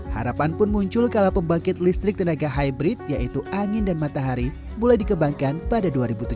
harapan pun muncul kalau pembangkit listrik tenaga hybrid yaitu angin dan matahari mulai dikembangkan pada dua ribu tujuh belas